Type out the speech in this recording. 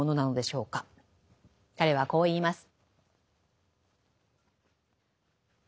彼はこう言います。